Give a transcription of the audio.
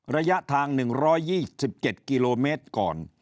ระยะทาง๑๒๗กิโลเมตรก่อน